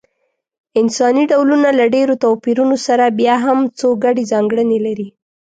انساني ډولونه له ډېرو توپیرونو سره بیا هم څو ګډې ځانګړنې لري.